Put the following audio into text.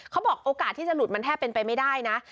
เขาบอกโอกาสที่จะหลุดมันแทบเป็นไปไม่ได้นะ